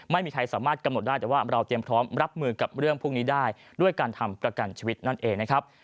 ไม่มีใครสามารถกำหนดได้แต่ว่าเราเตรียมพร้อมรับมือกับเรื่องพวกนี้ได้ด้วยการทำประกันชีวิตนั่นเองนะครับ